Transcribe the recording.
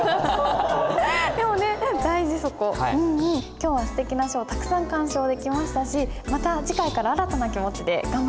今日はすてきな書をたくさん鑑賞できましたしまた次回から新たな気持ちで頑張りましょう。